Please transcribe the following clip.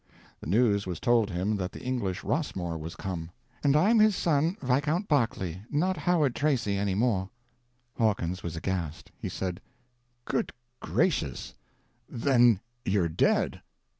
The news was told him that the English Rossmore was come. —"And I'm his son, Viscount Berkeley, not Howard Tracy any more." Hawkins was aghast. He said: "Good gracious, then you're dead!"